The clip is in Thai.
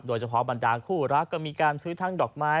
บรรดาคู่รักก็มีการซื้อทั้งดอกไม้